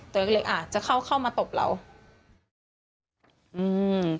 เลยอาจจะเข้าเข้ามาตบเราอืม